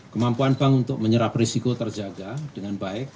kemampuan bank untuk menyerap risiko terjaga dengan baik